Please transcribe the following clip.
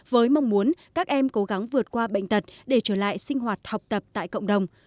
với mong muốn các em cố gắng vượt qua bệnh tật để trở lại sinh hoạt học tập tại cộng đồng